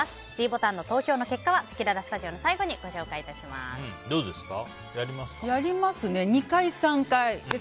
ｄボタンの投票結果はせきららスタジオの最後にどうですか？